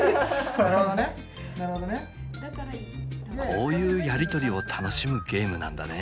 こういうやり取りを楽しむゲームなんだね。